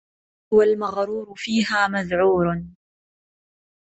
وَالْمَغْرُورُ فِيهَا مَذْعُورٌ